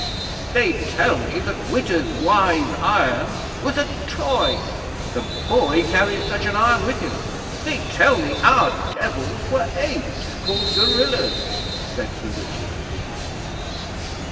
'They tell me that Witta's Wise Iron was a toy. The boy carries such an iron with him. They tell me our Devils were apes, called gorillas!' said Sir Richard, indignantly.